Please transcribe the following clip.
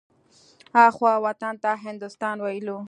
اخوا وطن ته هندوستان ويلو.